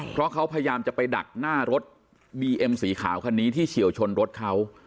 เพราะเขาพยายามจะไปดักหน้ารถบีเอ็มสีขาวคันนี้ที่เฉียวชนรถเขา